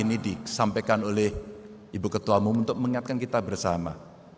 saya senang dikasih sampaikan oleh ibu ketua umum untuk mengingatkan kita bersama